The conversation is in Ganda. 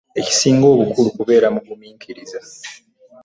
Ekisinga obukulu kubeera muguminkiriza.